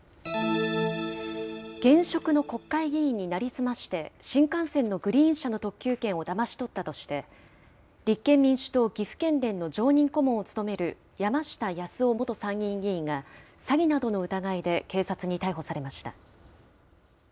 現職の国会議員に成り済まして新幹線のグリーン車の特急券をだまし取ったとして、立憲民主党岐阜県連の常任顧問を務める山下八洲夫元参議院議員が詐欺などの疑いで警察に逮捕されました。